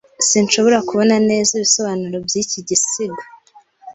Sinshobora kubona neza ibisobanuro byiki gisigo.